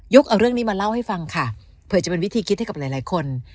เอาเรื่องนี้มาเล่าให้ฟังค่ะเผื่อจะเป็นวิธีคิดให้กับหลายคน